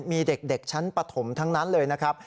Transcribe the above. มีเด็กชั้นปฐมทั้งนั้นเลยนะครับ